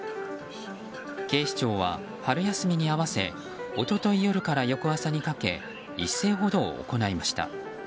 警視庁は春休みに合わせ一昨日夜から、翌朝にかけ一斉補導を行いました。